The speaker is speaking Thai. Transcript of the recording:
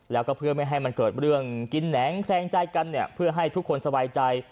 แล้วก็เพื่อไม่ให้มันเกิดเรื่องกินแหนงแคลงใจกันเนี่ยเพื่อให้ทุกคนสบายใจ